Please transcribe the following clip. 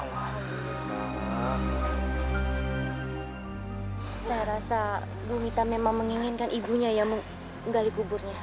saya rasa bu mita memang menginginkan ibunya ya menggali kuburnya